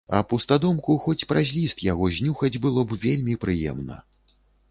А пустадомку хоць праз ліст яго знюхаць было б вельмі прыемна.